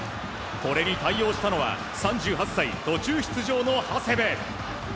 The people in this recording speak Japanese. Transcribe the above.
これに対応したのは３８歳、途中出場の長谷部。